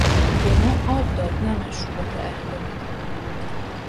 به ما آب داد نه مشروبات الکلی.